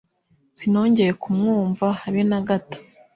Sinongeye kumwumva habe nagato.